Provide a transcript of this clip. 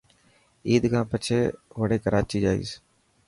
عيد کان پڇي وڙي ڪراچي جائيس.